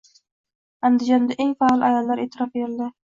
Andijonda eng faol ayollar e’tirof etildi